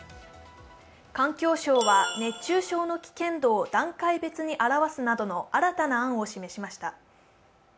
環境省は熱中症の危険度を段階別に表すなど新たな案を示しました。